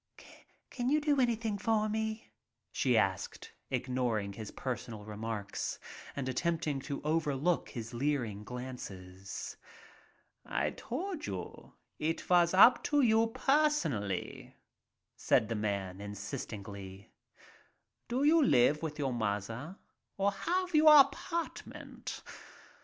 "Can you do anything for me?" she asked, ignor ing his personal remarks and attempting to over look his leering glances. "I told you it vas up to you personally," said the man, insistently. "Do you live with your mother or have you a apartment.